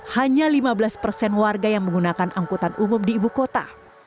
hanya lima belas persen warga yang menggunakan angkutan umum di ibu kota